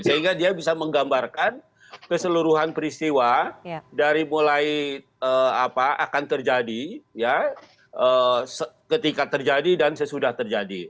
sehingga dia bisa menggambarkan keseluruhan peristiwa dari mulai apa akan terjadi ketika terjadi dan sesudah terjadi